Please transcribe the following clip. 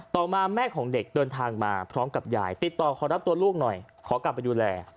ต่อมาแม่ของเด็กเดินทางมาพร้อมกับยายติดต่อขอรับตัวลูกหน่อยขอกลับไปดูแล